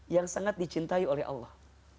yang sangat dicintai oleh allah